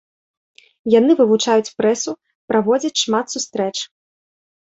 Яны вывучаюць прэсу, праводзяць шмат сустрэч.